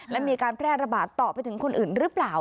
และมีการแพร่ระบาดต่อไปถึงคนอื่นหรือเปล่า